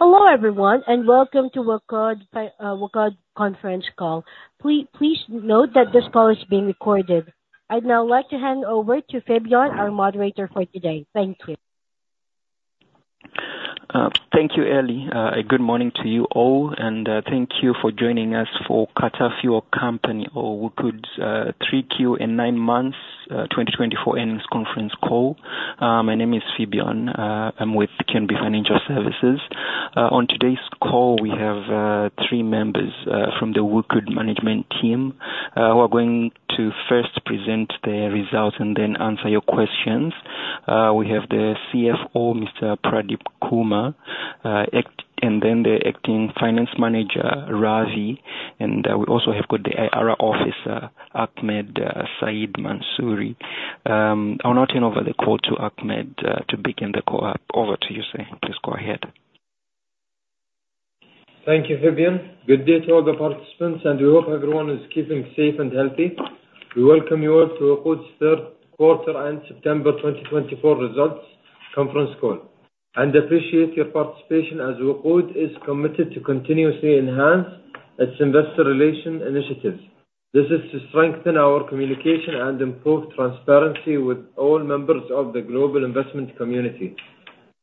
Hello everyone, and welcome to WOQOD conference call. Please note that this call is being recorded. I'd now like to hand over to Phibion, our moderator for today. Thank you. Thank you, Ellie. A good morning to you all, and thank you for joining us for Qatar Fuel Company or WOQOD, 3Q and 9 months, 2024 earnings conference call. My name is Phibion. I'm with QNB Financial Services. On today's call, we have three members from the WOQOD management team, who are going to first present their results and then answer your questions. We have the CFO, Mr. Pradeep Kumar, and then the acting finance manager, Ravi. And we also have got the IR officer, Ahmed Saeed Al-Mansoori. I'll now turn over the call to Ahmed to begin the call. Over to you, sir. Please go ahead. Thank you, Phibion. Good day to all the participants, and we hope everyone is keeping safe and healthy. We welcome you all to WOQOD's third quarter and September twenty twenty-four results conference call, and appreciate your participation as WOQOD is committed to continuously enhance its investor relations initiatives. This is to strengthen our communication and improve transparency with all members of the global investment community.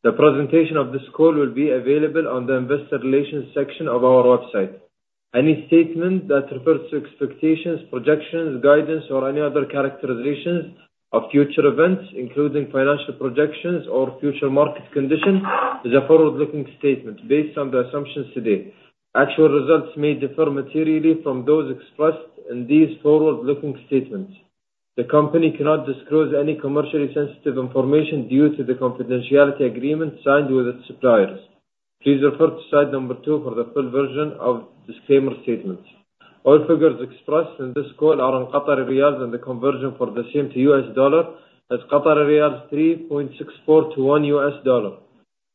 The presentation of this call will be available on the investor relations section of our website. Any statement that refers to expectations, projections, guidance, or any other characterizations of future events, including financial projections or future market conditions, is a forward-looking statement based on the assumptions today. Actual results may differ materially from those expressed in these forward-looking statements. The company cannot disclose any commercially sensitive information due to the confidentiality agreement signed with its suppliers. Please refer to slide number two for the full version of disclaimer statements. All figures expressed in this call are in Qatari riyals, and the conversion for the same to US dollar is 3.64 to $1.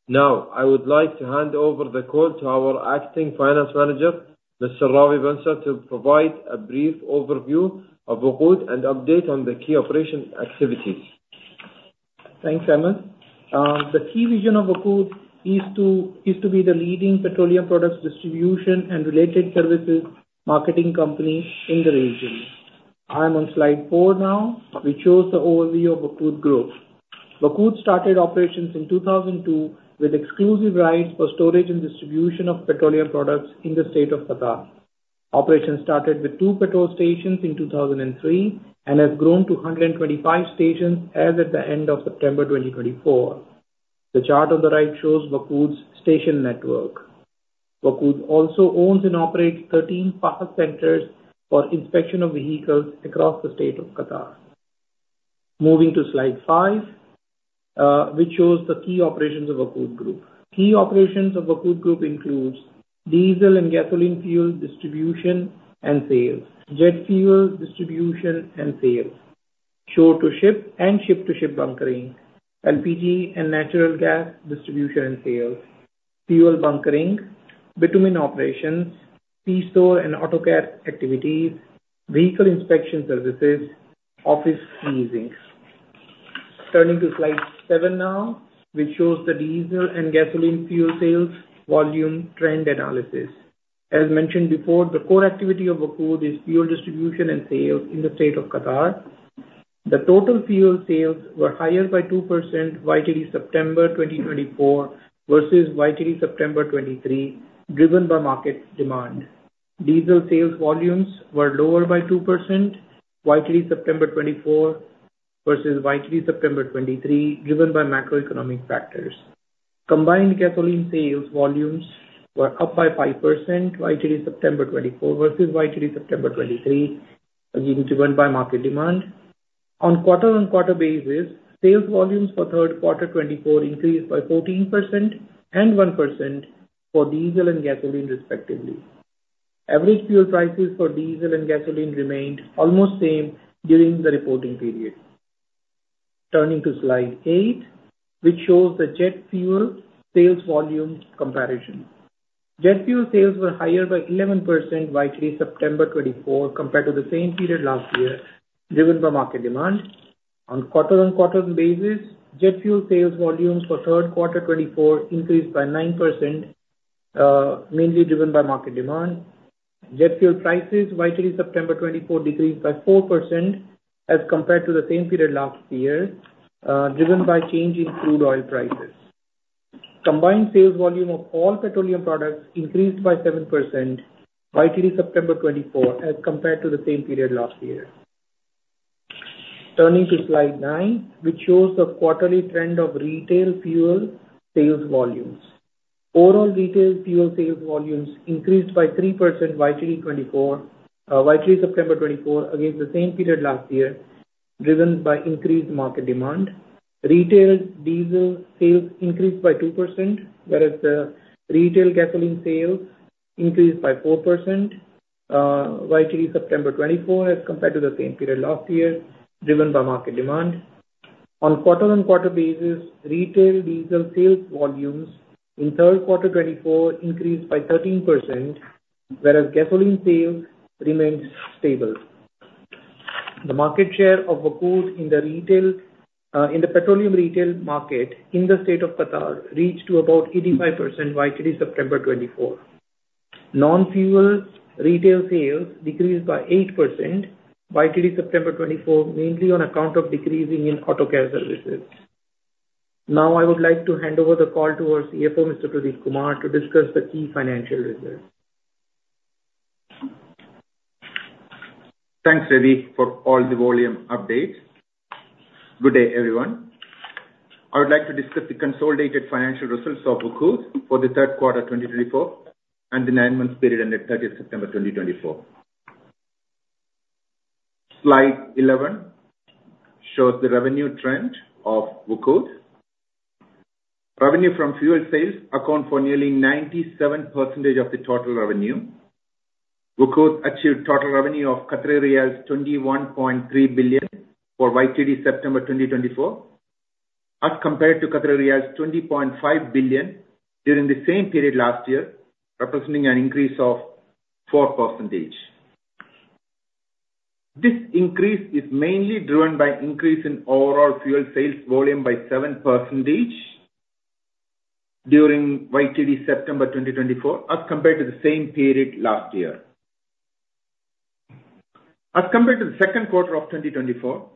Now, I would like to hand over the call to our acting finance manager, Mr. Ravi Vansa, to provide a brief overview of WOQOD and update on the key operation activities. Thanks, Ahmed. The key vision of WOQOD is to be the leading petroleum products distribution and related services marketing company in the region. I am on slide four now, which shows the overview of WOQOD growth. WOQOD started operations in 2002 with exclusive rights for storage and distribution of petroleum products in the State of Qatar. Operations started with two petrol stations in 2003, and has grown to 125 stations as at the end of September 2024. The chart on the right shows WOQOD's station network. WOQOD also owns and operates 13 Fahes for inspection of vehicles across the state of Qatar. Moving to slide five, which shows the key operations of WOQOD Group. Key operations of WOQOD Group includes diesel and gasoline fuel distribution and sales, jet fuel distribution and sales, shore-to-ship and ship-to-ship bunkering, LPG and natural gas distribution and sales, fuel bunkering, bitumen operations, PISO and auto care activities, vehicle inspection services, office leasings. Turning to slide seven now, which shows the diesel and gasoline fuel sales volume trend analysis. As mentioned before, the core activity of WOQOD is fuel distribution and sales in the state of Qatar. The total fuel sales were higher by 2% YTD September 2024 versus YTD September 2023, driven by market demand. Diesel sales volumes were lower by 2% YTD September 2024 versus YTD September 2023, driven by macroeconomic factors. Combined gasoline sales volumes were up by 5% YTD September 2024 versus YTD September 2023, again, driven by market demand. On quarter-on-quarter basis, sales volumes for third quarter 2024 increased by 14% and 1% for diesel and gasoline respectively. Average fuel prices for diesel and gasoline remained almost same during the reporting period. Turning to slide eight, which shows the jet fuel sales volume comparison. Jet fuel sales were higher by 11% YTD September 2024 compared to the same period last year, driven by market demand. On quarter-on-quarter basis, jet fuel sales volumes for third quarter 2024 increased by 9%, mainly driven by market demand. Jet fuel prices YTD September 2024 decreased by 4% as compared to the same period last year, driven by changing crude oil prices. Combined sales volume of all petroleum products increased by 7% YTD September 2024 as compared to the same period last year. Turning to slide nine, which shows the quarterly trend of retail fuel sales volumes. Overall retail fuel sales volumes increased by 3% YTD 2024, YTD September 2024 against the same period last year, driven by increased market demand. Retail diesel sales increased by 2%, whereas the retail gasoline sales increased by 4%, YTD September 2024 as compared to the same period last year, driven by market demand. On quarter-on-quarter basis, retail diesel sales volumes in third quarter 2024 increased by 13%, whereas gasoline sales remained stable. The market share of WOQOD in the retail, in the petroleum retail market in the state of Qatar reached to about 85% YTD September 2024. Non-fuel retail sales decreased by 8% YTD September 2024, mainly on account of decreasing in auto care services. Now, I would like to hand over the call to our CFO, Mr. Pradeep Kumar, to discuss the key financial results. Thanks, Ravi, for all the volume updates. Good day, everyone. I would like to discuss the consolidated financial results of WOQOD for the third quarter 2024, and the 9 months period ended thirtieth September 2024. Slide 11 shows the revenue trend of WOQOD. Revenue from fuel sales account for nearly 97% of the total revenue. WOQOD achieved total revenue of 21.3 billion for YTD September 2024, as compared to 20.5 billion during the same period last year, representing an increase of 4%. This increase is mainly driven by increase in overall fuel sales volume by 7% during YTD September 2024, as compared to the same period last year. As compared to the second quarter of 2024,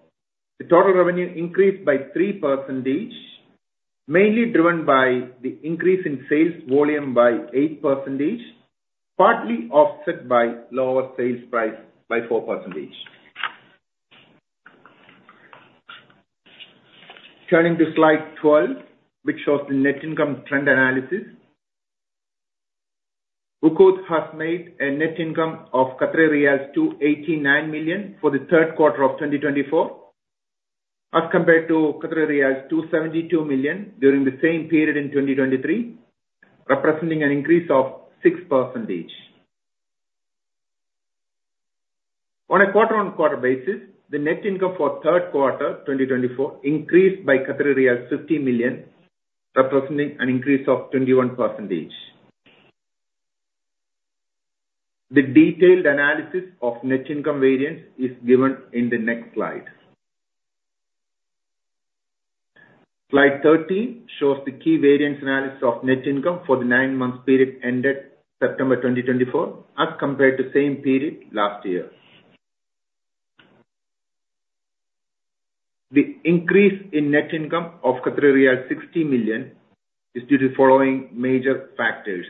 the total revenue increased by 3%, mainly driven by the increase in sales volume by 8%, partly offset by lower sales price by 4%. Turning to slide 12, which shows the net income trend analysis. WOQOD has made a net income of 289 million Qatari riyals for the third quarter of 2024, as compared to 272 million Qatari riyals during the same period in 2023, representing an increase of 6%. On a quarter-on-quarter basis, the net income for third quarter 2024 increased by Qatari riyal 50 million, representing an increase of 21%. The detailed analysis of net income variance is given in the next slide. Slide 13 shows the key variance analysis of net income for the nine-month period ended September 2024, as compared to same period last year. The increase in net income of 60 million is due to the following major factors: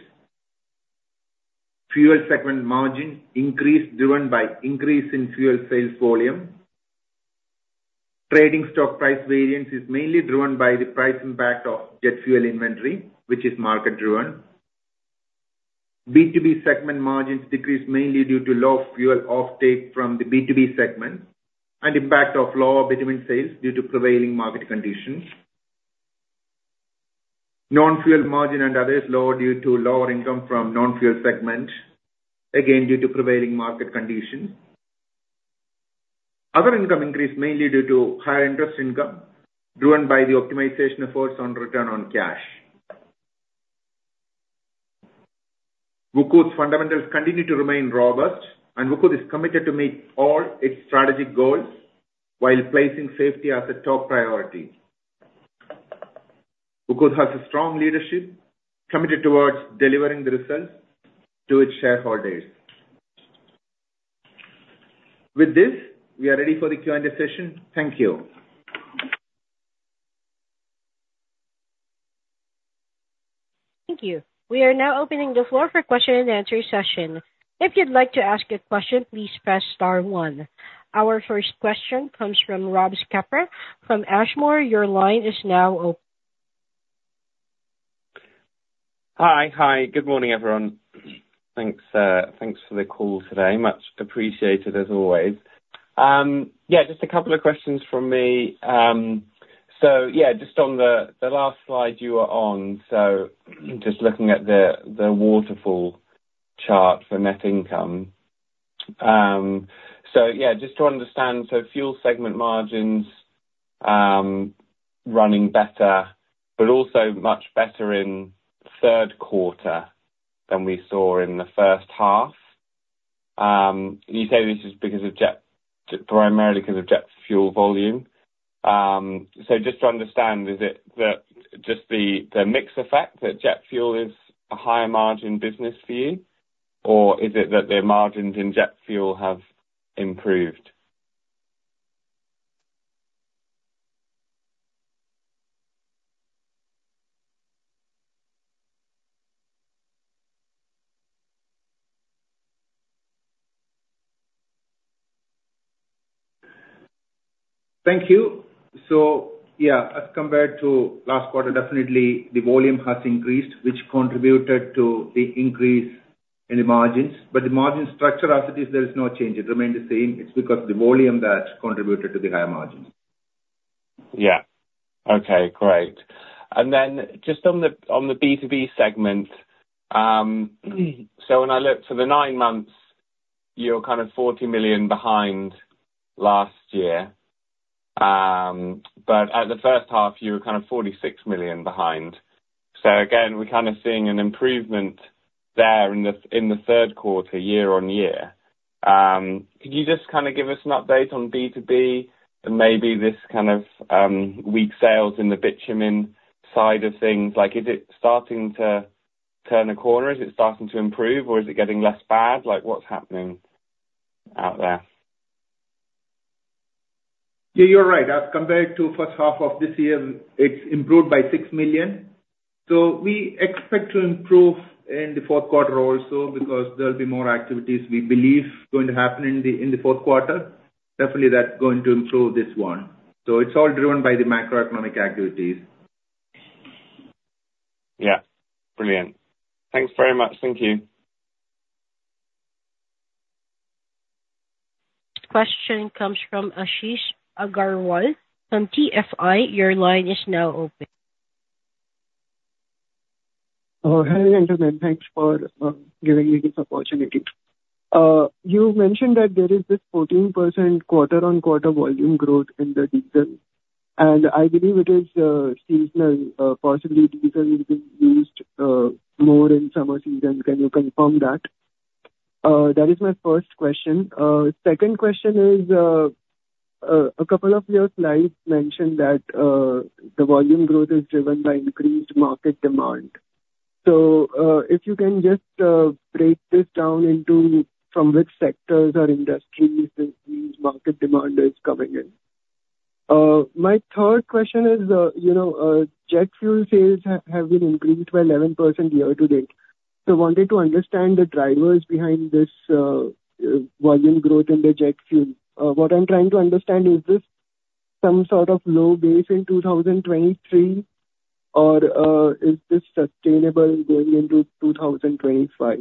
Fuel segment margin increased, driven by increase in fuel sales volume. Trading stock price variance is mainly driven by the price impact of jet fuel inventory, which is market driven. B2B segment margins decreased mainly due to low fuel offtake from the B2B segment, and impact of lower bitumen sales due to prevailing market conditions. Non-fuel margin and others, lower due to lower income from non-fuel segment, again, due to prevailing market conditions. Other income increased mainly due to higher interest income, driven by the optimization efforts on return on cash. WOQOD's fundamentals continue to remain robust, and WOQOD is committed to meet all its strategic goals while placing safety as a top priority. WOQOD has a strong leadership committed towards delivering the results to its shareholders. With this, we are ready for the Q&A session. Thank you. Thank you. We are now opening the floor for question and answer session. If you'd like to ask a question, please press star one. Our first question comes from Ramy El-Kapra from Ashmore. Your line is now open. Hi. Hi, good morning, everyone. Thanks, thanks for the call today. Much appreciated, as always. Yeah, just a couple of questions from me. So yeah, just on the last slide you were on, so just looking at the waterfall chart for net income. So yeah, just to understand, so fuel segment margins running better, but also much better in the third quarter than we saw in the first half. You say this is primarily because of jet fuel volume. So just to understand, is it just the mix effect, that jet fuel is a higher margin business for you? Or is it that the margins in jet fuel have improved? Thank you. So yeah, as compared to last quarter, definitely the volume has increased, which contributed to the increase in the margins. But the margin structure as it is, there is no change. It remained the same. It's because of the volume that contributed to the higher margins. Yeah. Okay, great. And then just on the, on the B2B segment, so when I look for the nine months, you're kind of 40 million behind last year. But at the first half, you were kind of 46 million behind. So again, we're kind of seeing an improvement there in the, in the third quarter, year on year. Could you just kind of give us an update on B2B and maybe this kind of, weak sales in the bitumen side of things? Like, is it starting to turn a corner? Is it starting to improve, or is it getting less bad? Like, what's happening out there? Yeah, you're right. As compared to first half of this year, it's improved by six million. So we expect to improve in the fourth quarter also, because there'll be more activities we believe going to happen in the fourth quarter. Definitely, that's going to improve this one. So it's all driven by the macroeconomic activities. Yeah, brilliant. Thanks very much. Thank you. Question comes from Ashish Agarwal from TFI. Your line is now open. Hi, gentlemen. Thanks for giving me this opportunity. You mentioned that there is this 14% quarter on quarter volume growth in the diesel, and I believe it is seasonal, possibly diesel will be used more in summer season. Can you confirm that? That is my first question. Second question is, a couple of your slides mentioned that the volume growth is driven by increased market demand. So, if you can just break this down into from which sectors or industries this increased market demand is coming in. My third question is, you know, jet fuel sales have been increased by 11% year to date. So wanted to understand the drivers behind this volume growth in the jet fuel. What I'm trying to understand, is this some sort of low base in 2023, or, is this sustainable going into 2025?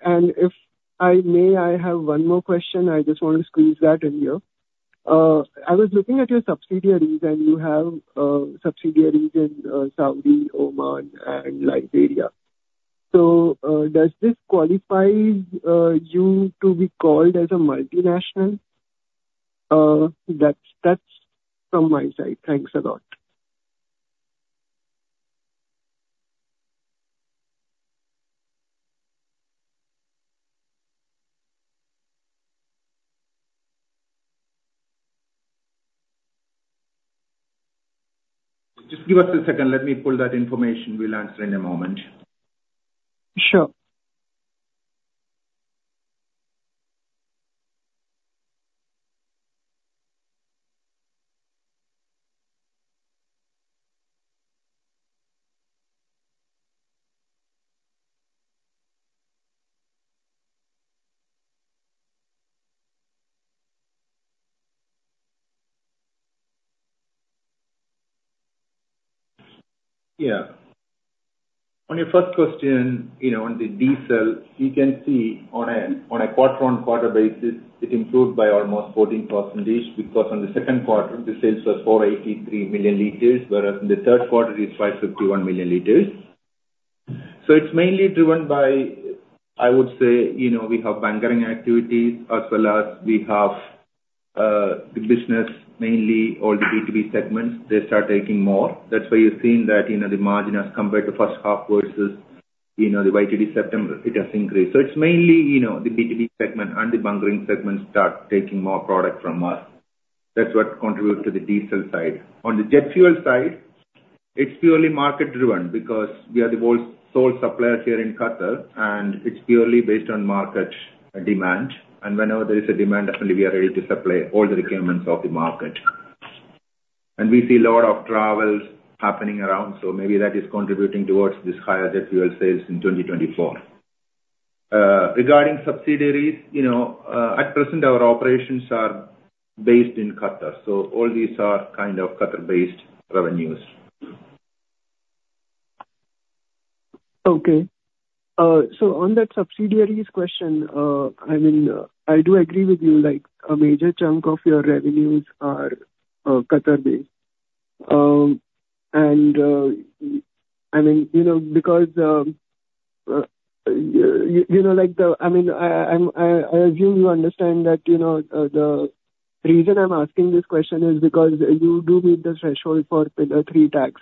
And if I may, I have one more question. I just want to squeeze that in here. I was looking at your subsidiaries, and you have, subsidiaries in, Saudi, Oman and Liberia. So, does this qualify, you to be called as a multinational? That's, that's from my side. Thanks a lot. Just give us a second. Let me pull that information. We'll answer in a moment. Sure. Yeah. On your first question, you know, on the diesel, you can see on a, on a quarter on quarter basis, it improved by almost 14%, because on the second quarter, the sales was 483 million liters, whereas in the third quarter it's 551 million liters. So it's mainly driven by, I would say, you know, we have bunkering activities as well as we have the business, mainly all the B2B segments, they start taking more. That's why you're seeing that, you know, the margin as compared to first half versus, you know, the YTD September, it has increased. So it's mainly, you know, the B2B segment and the bunkering segment start taking more product from us. That's what contributes to the diesel side. On the jet fuel side, it's purely market driven because we are the sole suppliers here in Qatar, and it's purely based on market demand. And whenever there is a demand, definitely we are ready to supply all the requirements of the market. And we see a lot of travels happening around, so maybe that is contributing towards this higher jet fuel sales in 2024. Regarding subsidiaries, you know, at present our operations are based in Qatar, so all these are kind of Qatar-based revenues. Okay. So on that subsidiaries question, I mean, I do agree with you, like, a major chunk of your revenues are Qatar-based. And I mean, you know, because you know, I mean, I assume you understand that, you know, the reason I'm asking this question is because you do meet the threshold for Pillar Two tax,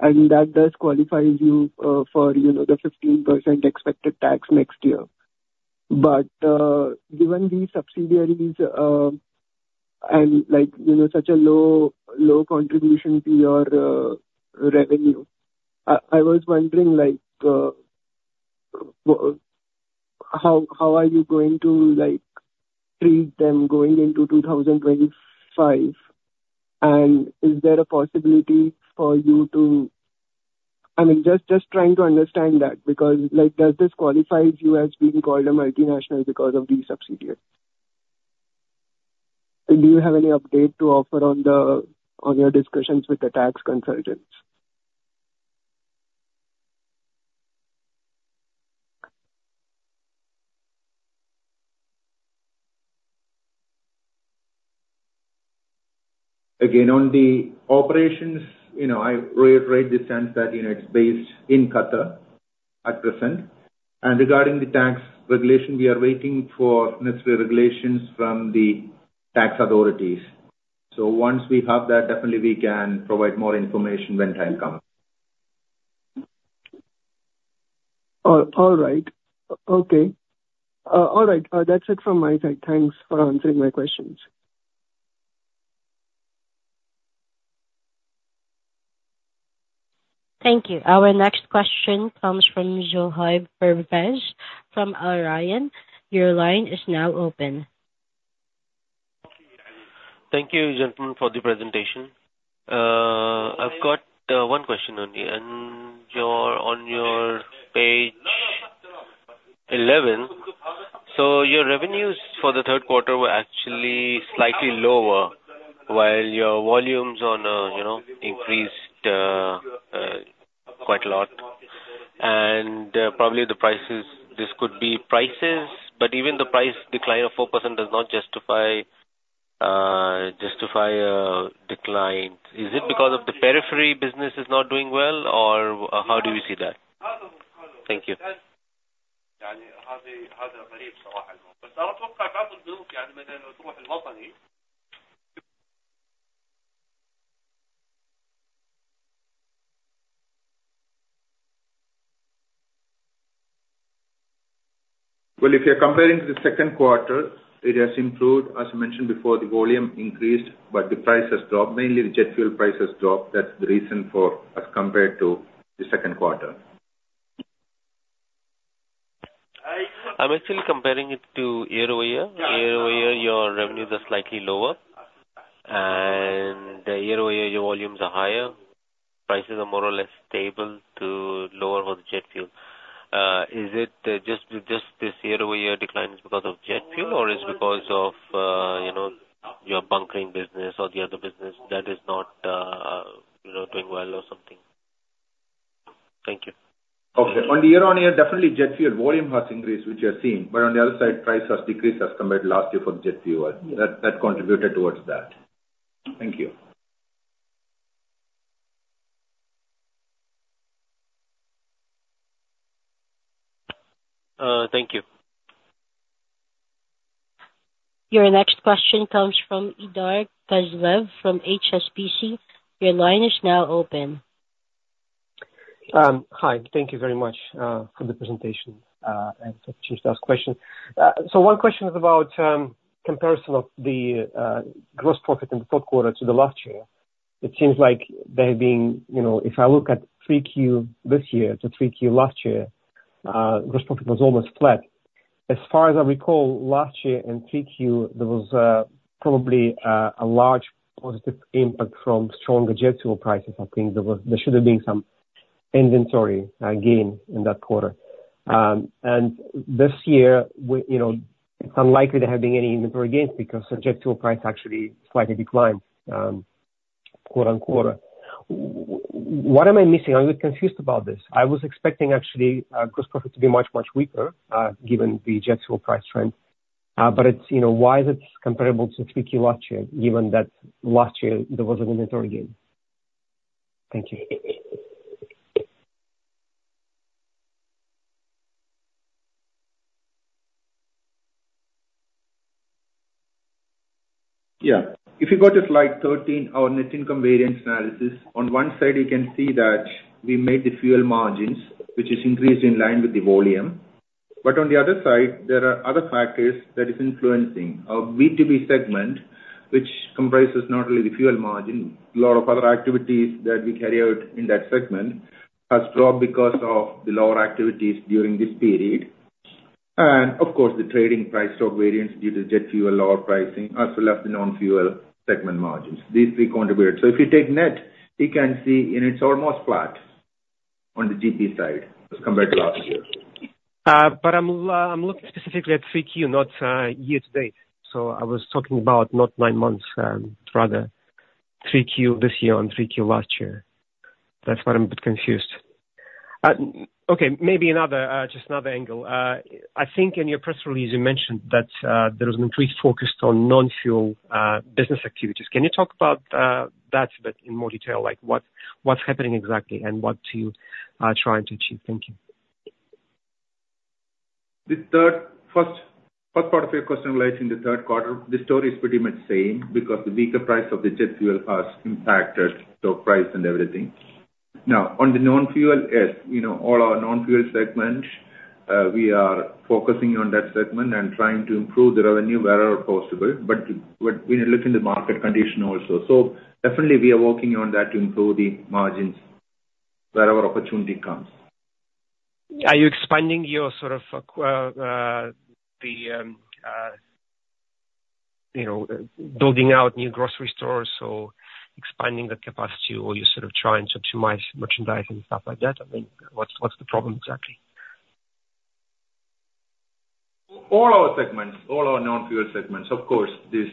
and that does qualify you for, you know, the 15% expected tax next year. But given these subsidiaries, and like, you know, such a low contribution to your revenue, I was wondering, like, how are you going to, like, treat them going into two thousand twenty-five? And is there a possibility for you to... I mean, just trying to understand that, because, like, does this qualify you as being called a multinational because of these subsidiaries? Do you have any update to offer on your discussions with the tax consultants?... Again, on the operations, you know, I reiterate the sense that, you know, it's based in Qatar at present. And regarding the tax regulation, we are waiting for necessary regulations from the tax authorities. So once we have that, definitely we can provide more information when time comes. All right. Okay. All right, that's it from my side. Thanks for answering my questions. Thank you. Our next question comes from Zohaib Pervez from Al Rayan Investment. Your line is now open. Thank you, gentlemen, for the presentation. I've got one question only, and your, on your page 11, so your revenues for the third quarter were actually slightly lower, while your volumes on, you know, increased quite a lot. And probably the prices, this could be prices, but even the price decline of 4% does not justify a decline. Is it because of the periphery business is not doing well, or how do you see that? Thank you. If you're comparing to the second quarter, it has improved. As I mentioned before, the volume increased, but the price has dropped. Mainly the jet fuel price has dropped. That's the reason for as compared to the second quarter. I'm actually comparing it to year-over-year. Year-over-year, your revenues are slightly lower, and year-over-year, your volumes are higher. Prices are more or less stable to lower on the jet fuel. Is it just, just this year-over-year decline because of jet fuel, or it's because of, you know, your bunkering business or the other business that is not, you know, doing well or something? Thank you. Okay. On the year-on-year, definitely jet fuel volume has increased, which you have seen, but on the other side, price has decreased as compared to last year for jet fuel. That contributed towards that. Thank you. Thank you. Your next question comes from Ildar Khaziev from HSBC. Your line is now open. Hi. Thank you very much for the presentation and the chance to ask question. So one question is about comparison of the gross profit in the fourth quarter to the last year. It seems like they're being... You know, if I look at three Q this year to three Q last year, gross profit was almost flat. As far as I recall, last year in three Q, there was probably a large positive impact from stronger jet fuel prices. I think there was, there should have been some inventory gain in that quarter. And this year, we, you know, it's unlikely to have been any inventory gains because the jet fuel price actually slightly declined quarter on quarter. What am I missing? I'm a bit confused about this. I was expecting actually, gross profit to be much, much weaker, given the jet fuel price trend. But it's, you know, why is it comparable to 3Q last year, given that last year there was an inventory gain? Thank you. Yeah. If you go to slide 13, our net income variance analysis, on one side you can see that we made the fuel margins, which is increased in line with the volume. But on the other side, there are other factors that is influencing. Our B2B segment, which comprises not only the fuel margin, a lot of other activities that we carry out in that segment, has dropped because of the lower activities during this period. And of course, the trading price stock variance due to jet fuel lower pricing, as well as the non-fuel segment margins. These three contributed. So if you take net, you can see, and it's almost flat on the GP side as compared to last year. But I'm looking specifically at 3Q, not year to date. So I was talking about not nine months, rather 3Q this year on 3Q last year. That's why I'm a bit confused. Okay, maybe just another angle. I think in your press release you mentioned that there was an increased focus on non-fuel business activities. Can you talk about that a bit in more detail? Like, what's happening exactly and what you are trying to achieve? Thank you. First part of your question relating to the third quarter, the story is pretty much same because the weaker price of the jet fuel has impacted the price and everything. Now, on the non-fuel, yes, you know, all our non-fuel segments, we are focusing on that segment and trying to improve the revenue wherever possible, but we look in the market condition also. So definitely we are working on that to improve the margins wherever opportunity comes. Are you expanding your sort of, you know, building out new grocery stores or expanding the capacity, or you're sort of trying to optimize merchandise and stuff like that? I mean, what's the problem exactly? All our segments, all our non-fuel segments, of course, this,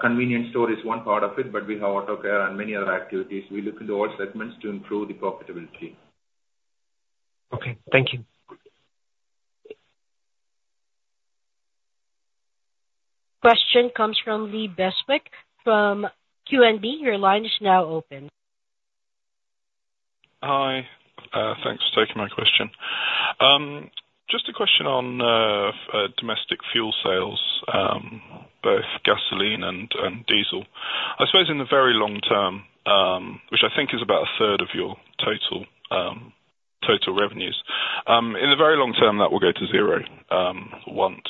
convenience store is one part of it, but we have auto care and many other activities. We look into all segments to improve the profitability. Okay. Thank you.... Question comes from Lee Beswick from QNB. Your line is now open. Hi. Thanks for taking my question. Just a question on domestic fuel sales, both gasoline and diesel. I suppose in the very long term, which I think is about a third of your total revenues. In the very long term, that will go to zero, once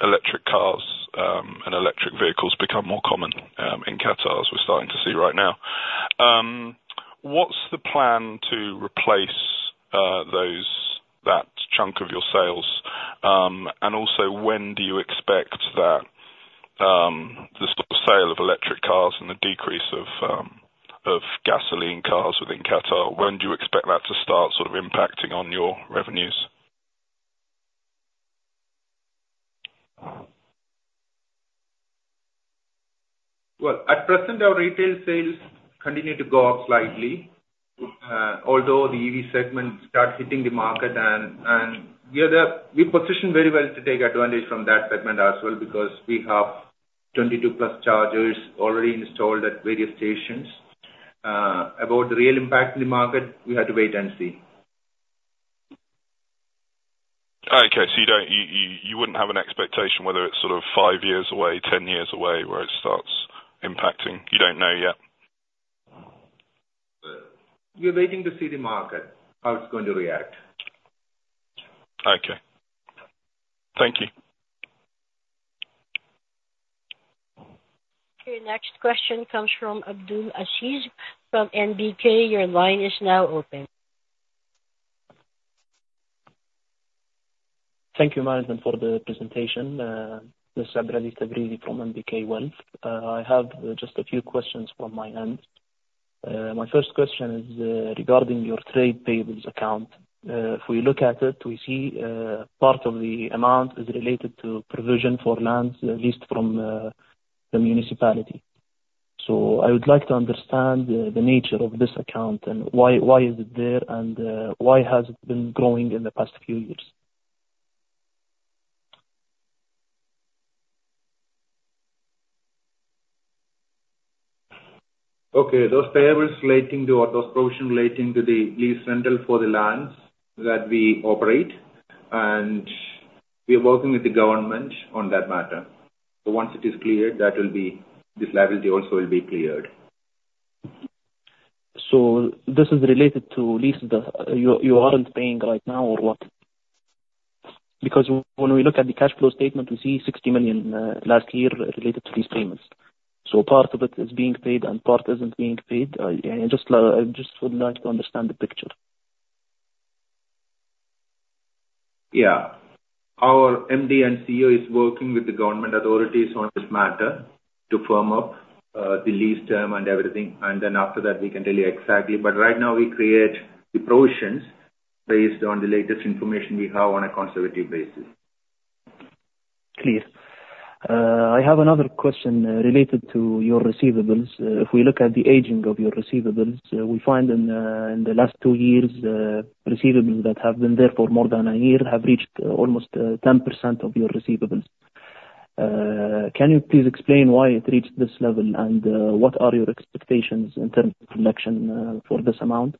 electric cars and electric vehicles become more common in Qatar, as we're starting to see right now. What's the plan to replace that chunk of your sales? And also when do you expect that the sale of electric cars and the decrease of gasoline cars within Qatar, when do you expect that to start sort of impacting on your revenues? At present our retail sales continue to go up slightly, although the EV segment start hitting the market, and we position very well to take advantage from that segment as well, because we have 22 plus chargers already installed at various stations. About the real impact in the market, we have to wait and see. Okay. So you wouldn't have an expectation whether it's sort of five years away, ten years away, where it starts impacting? You don't know yet. We are waiting to see the market, how it's going to react. Okay. Thank you. Okay. Next question comes from Abdulaziz Al-Naim from NBK. Your line is now open. Thank you, management, for the presentation. This is Abdulaziz Al-Naim from NBK Wealth. I have just a few questions from my end. My first question is regarding your trade payables account. If we look at it, we see part of the amount is related to provision for lands leased from the municipality. So I would like to understand the nature of this account and why is it there, and why has it been growing in the past few years? Okay. Those payables relating to, or those provision relating to the lease rental for the lands that we operate, and we are working with the government on that matter. So once it is cleared, that will be. This liability also will be cleared. This is related to leases. You aren't paying right now, or what? Because when we look at the cash flow statement, we see 60 million last year related to these payments. So part of it is being paid and part isn't being paid? Yeah, I just would like to understand the picture. Yeah. Our MD and CEO is working with the government authorities on this matter to firm up, the lease term and everything, and then after that we can tell you exactly. But right now we create the provisions based on the latest information we have on a conservative basis. Clear. I have another question related to your receivables. If we look at the aging of your receivables, we find in the last two years, receivables that have been there for more than a year have reached almost 10% of your receivables. Can you please explain why it reached this level, and what are your expectations in terms of collection for this amount?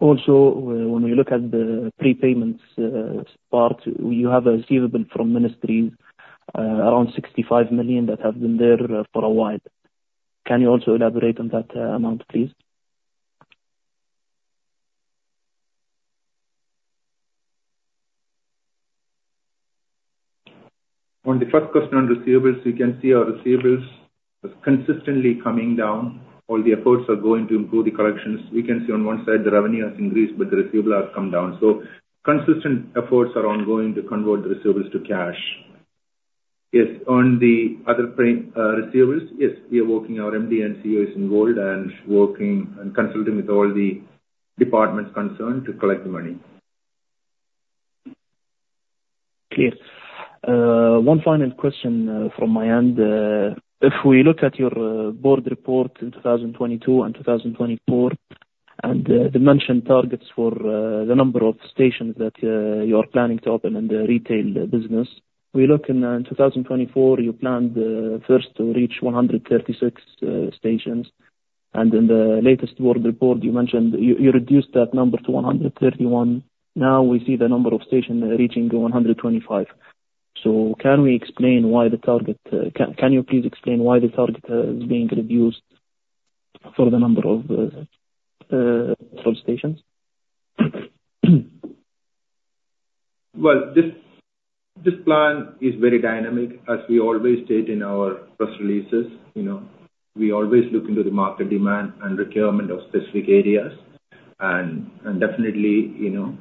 Also, when we look at the prepayments part, you have a receivable from ministries around 65 million that have been there for a while. Can you also elaborate on that amount, please? On the first question on receivables, you see our receivables as consistently coming down. All the efforts are going to improve the collections. We can see on one side the revenue has increased, but the receivable has come down. So consistent efforts are ongoing to convert the receivables to cash. Yes, on the other frame, receivables, yes, we are working, our MD and CEO is involved and working and consulting with all the departments concerned to collect the money. Clear. One final question from my end. If we look at your board report in 2022 and 2024, and the mentioned targets for the number of stations that you are planning to open in the retail business. We look in 2024, you planned first to reach 136 stations, and in the latest board report you mentioned you reduced that number to 131. Now we see the number of stations reaching to 125. So can we explain why the target? Can you please explain why the target is being reduced for the number of fuel stations? This plan is very dynamic, as we always state in our press releases. You know, we always look into the market demand and requirement of specific areas, and definitely, you know,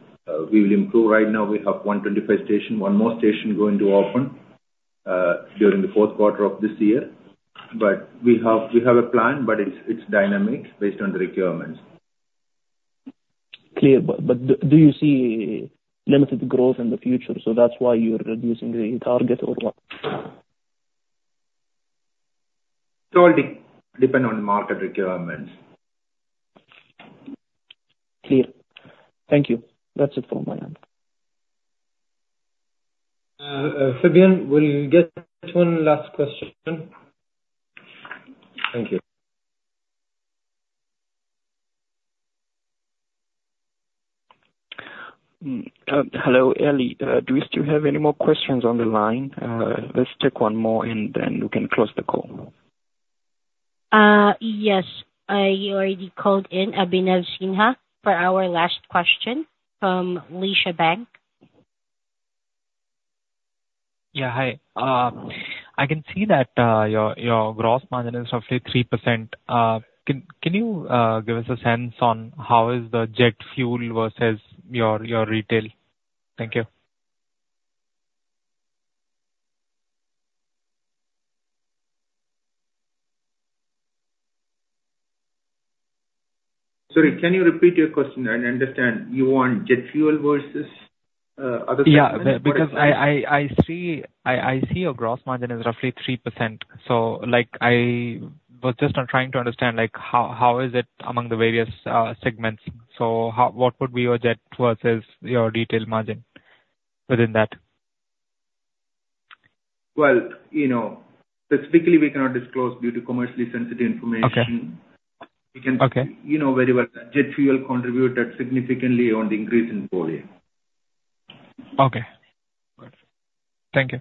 we will improve. Right now we have 125 stations, one more station going to open during the fourth quarter of this year. But we have a plan, but it's dynamic based on the requirements. Clear. But do you see limited growth in the future, so that's why you're reducing the target, or what?... It all depends on market requirements. Clear. Thank you. That's it for my end. Fabian, we'll get one last question. Thank you. Hello, Ellie. Do we still have any more questions on the line? Let's take one more, and then we can close the call. Yes. I already called in Abhinav Sinha for our last question from QNB Financial Services. Yeah, hi. I can see that your gross margin is roughly 3%. Can you give us a sense on how is the jet fuel versus your retail? Thank you. Sorry, can you repeat your question? I didn't understand. You want jet fuel versus, other- Yeah, because I see your gross margin is roughly 3%, so like I was just trying to understand like how is it among the various segments? So how what would be your jet versus your retail margin within that? You know, specifically, we cannot disclose due to commercially sensitive information. Okay. We can- Okay. You know very well that jet fuel contributed significantly on the increase in volume. Okay. Thank you.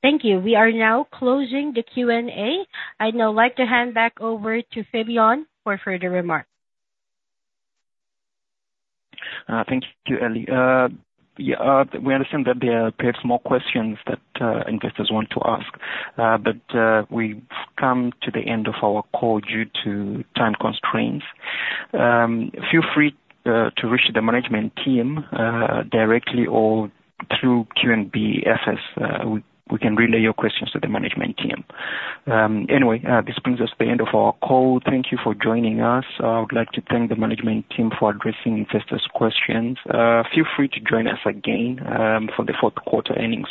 Thank you. We are now closing the Q&A. I'd now like to hand back over to Fabian for further remarks. Thank you, Ellie. Yeah, we understand that there are perhaps more questions that investors want to ask, but we've come to the end of our call due to time constraints. Feel free to reach the management team directly or through QNB FS. We can relay your questions to the management team. Anyway, this brings us to the end of our call. Thank you for joining us. I would like to thank the management team for addressing investors' questions. Feel free to join us again for the fourth quarter earnings call.